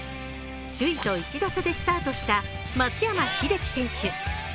首位と１打差でスタートした松山英樹選手。